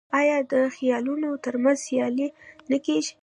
آیا د خیلونو ترمنځ سیالي نه کیږي؟